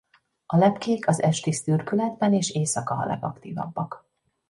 A lepkék az esti szürkületben és éjszaka a legaktívabbak.